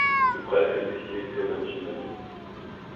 Le prêtre et l'officier furent d'intimes amis.